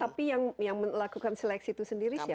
tapi yang melakukan seleksi itu sendiri siapa